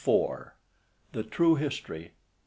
THE TRUE HISTORY.